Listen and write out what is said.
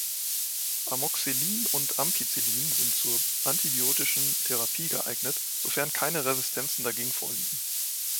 Amoxicillin und Ampicillin sind zur antibiotischen Therapie geeignet, sofern keine Resistenzen dagegen vorliegen.